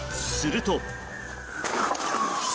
すると。